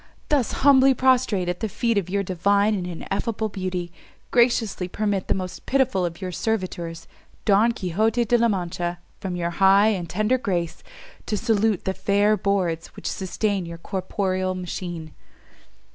Thus humbly prostrate at the feet of your divine and ineffable beauty, graciously permit the most pitiful of your servitors, Don Quixote De la Mancha, from your high and tender grace, to salute the fair boards which sustain your corporeal machine."